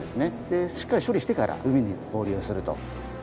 でしっかり処理してから海に放流すると。